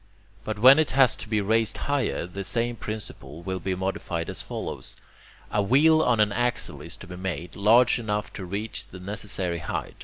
But when it has to be raised higher, the same principle will be modified as follows. A wheel on an axle is to be made, large enough to reach the necessary height.